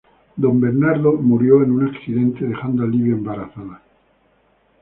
Don Bernardo murió en un accidente, dejando a Libia embarazada.